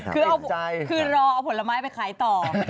คือรอเอาผลไม้ไปขายต่อ